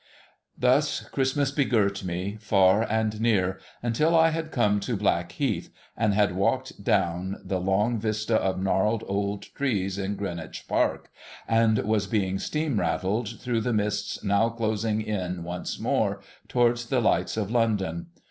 Thus Christmas begirt me, far and near, until I had come to ]51ackheath, and had walked down the long vista of gnarled old trees in Greenwich Park, and was being steam rattled through the mists now closing in once more, towards the lights of London.